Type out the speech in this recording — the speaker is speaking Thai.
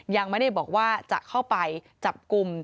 ยังไม่ได้บอกว่าจะเข้าไปจับกลุ่ม